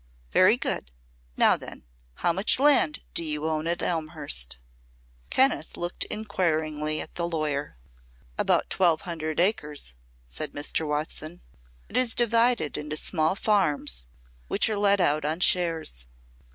"Very good. Now, then, how much land do you own at Elmhurst?" Kenneth looked inquiringly at the lawyer. "About twelve hundred acres," said Mr. Watson. "It is divided into small farms which are let out on shares."